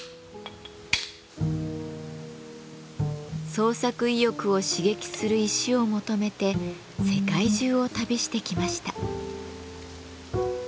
創作意欲を刺激する石を求めて世界中を旅してきました。